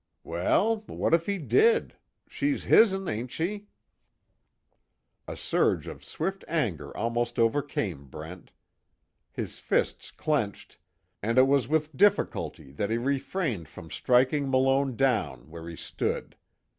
"Well, what if he did she's hisn, ain't she?" A surge of swift anger almost overcame Brent. His fists clenched, and it was with difficulty that he refrained from striking Malone down where he stood.